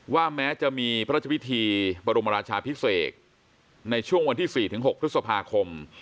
แม้จะมีพระราชพิธีบรมราชาพิเศษในช่วงวันที่๔๖พฤษภาคม